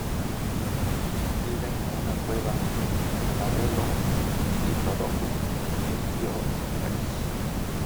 Viven en una cueva con el abuelo Diplodocus y el tío Rex.